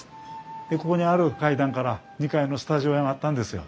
でここにある階段から２階のスタジオへ上がったんですよ。